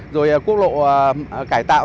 rồi quốc lộ cải tạo